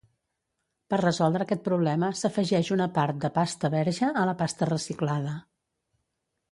Per resoldre aquest problema, s'afegeix una part de pasta verge a la pasta reciclada.